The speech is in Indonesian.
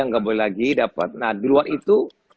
nggak boleh lagi dapat nah di luar itu